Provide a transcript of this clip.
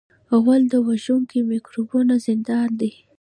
غول د وژونکو میکروبونو زندان دی.